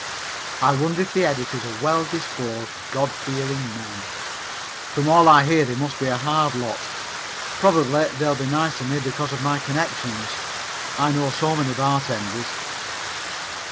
I wonder if the editors are well disposed, God fearing men. [Illustration: "LIBERTY PARTY"] From all I hear they must be a hard lot. Probably they'll be nice to me because of my connections. I know so many bartenders.